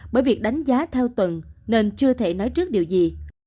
bởi việc đánh giá theo tuần nên chưa thể nói trước điều gì